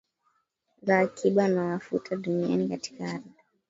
za akiba ya mafuta duniani katika ardhi